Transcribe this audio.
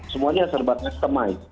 semuanya serbatnya semai